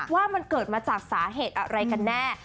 ว่ามันเกิดมาจากสาเหตุอะไรกันแน่